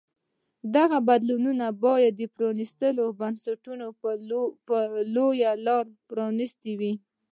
دغو بدلونونو باید د پرانیستو بنسټونو په لور لار پرانیستې وای.